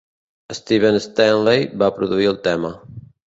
Steven Stanley va produir el tema.